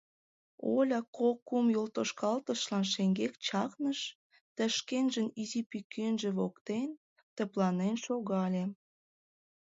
Оля кок-кум йолтошкалтышлан шеҥгек чакныш да шкенжын изи пӱкенже воктен тыпланен шогале.